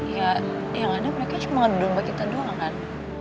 ya yang ada mereka cuma domba kita doang kan